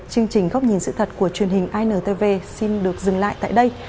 chương trình góc nhìn sự thật của truyền hình intv xin được dừng lại tại đây